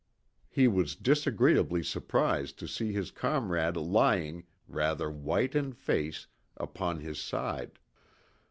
He was disagreeably surprised to see his comrade lying, rather white in face, upon his side.